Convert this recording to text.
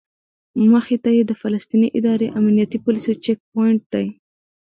مخې ته یې د فلسطیني ادارې امنیتي پولیسو چیک پواینټ دی.